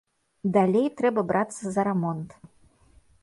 Далей трэба брацца за рамонт.